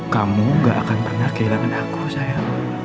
kamu gak akan pernah kehilangan aku sayang